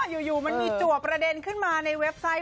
อยู่มันมีจัวประเด็นขึ้นมาในเว็บไซต์